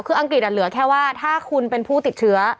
คืออังกฤษเหลือแค่ว่าถ้าคุณเป็นผู้ติดเชื้อ